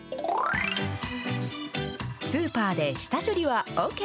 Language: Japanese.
スーパーで下処理はＯＫ。